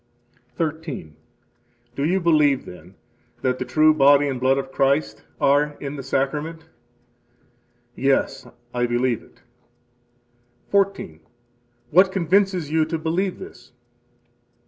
13. Do you believe, then, that the true body and blood of Christ are in the Sacrament? Yes, I believe it. 14. What convinces you to believe this?